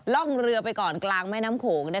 ร่องเรือไปก่อนกลางแม่น้ำโขง